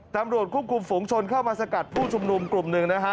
ตำรวจควบคุมฝูงชนเข้ามาสกัดผู้ชุมนุมกลุ่มหนึ่งนะฮะ